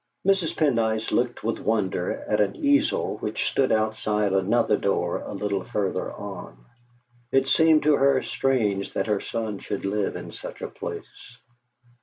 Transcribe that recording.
Mrs. Pendyce looked with wonder at an easel which stood outside another door a little further on. It seemed to her strange that her son should live in such a place.